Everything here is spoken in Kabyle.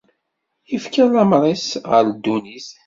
Ifka-d lameṛ-is ɣer ddunit.